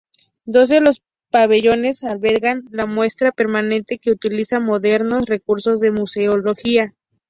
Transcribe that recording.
Dos de los pabellones albergan la muestra permanente que utiliza modernos recursos de museología.